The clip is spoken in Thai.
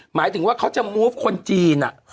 หมายถึงว่าเขาจะมูฟคนจีน